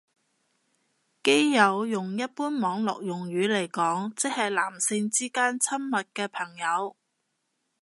基友用一般網絡用語嚟講即係男性之間親密嘅朋友